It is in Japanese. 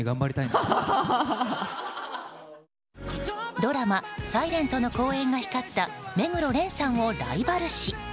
ドラマ「ｓｉｌｅｎｔ」の好演が光った目黒蓮さんをライバル視。